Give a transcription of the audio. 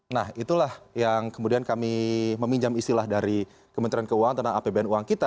nah itulah yang kemudian kami meminjam istilah dari kementerian keuangan tentang apbn uang kita